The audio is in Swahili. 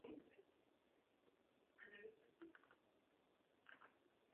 eneo au mkoa mmoja walikuwa chini ya Askofu Mkuu